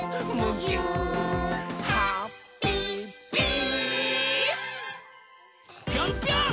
ぴょんぴょん！